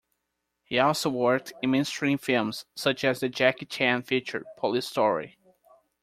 He also worked in mainstream films, such as the Jackie Chan feature "Police Story".